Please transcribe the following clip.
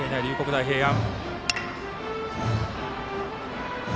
大平安。